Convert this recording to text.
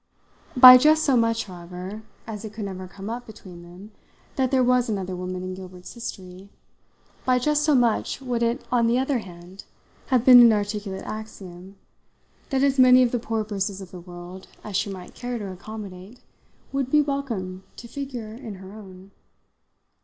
By just so much, however, as it could never come up between them that there was another woman in Gilbert's history, by just so much would it on the other hand have been an articulate axiom that as many of the poor Brisses of the world as she might care to accommodate would be welcome to figure in her own.